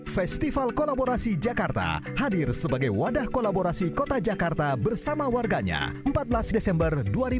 festival kolaborasi jakarta hadir sebagai wadah kolaborasi kota jakarta bersama warganya empat belas desember dua ribu dua puluh